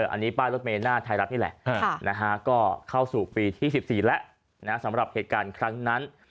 อันนี้ป้ายรถเมลหน้าไทยรัฐนี่แหละก็เข้าสู่ปีที่๑๔แล้วสำหรับเหตุการณ์ครั้งนั้น